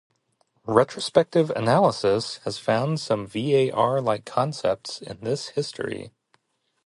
Retrospective analysis has found some VaR-like concepts in this history.